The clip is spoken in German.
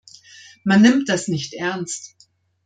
Man nimmt das nicht ernst.